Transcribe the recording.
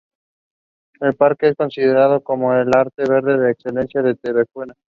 El parque es considerado como el área verde por excelencia de Trebujena.